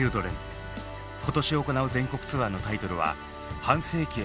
今年行う全国ツアーのタイトルは「半世紀へのエントランス」。